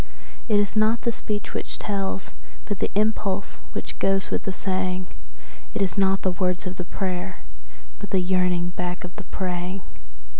So it is not the speech which tells, but the impulse which goes with the saying; And it is not the words of the prayer, but the yearning back of the praying.